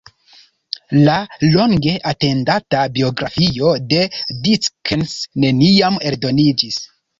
La longe atendata biografio de Dickens neniam eldoniĝis.